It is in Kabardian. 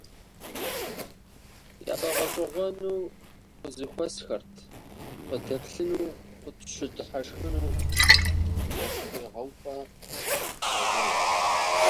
ЯфӀэгъэщӀэгъуэну къызэхуэсхэрт, къыдэплъыну, къытщыдыхьэшхыну, зэштегъэупӀэ дащӀыну.